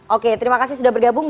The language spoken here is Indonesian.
oke terima kasih sudah bergabung